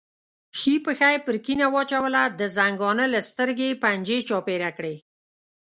ښي پښه یې پر کیڼه واچوله، د زنګانه له سترګې یې پنجې چاپېره کړې.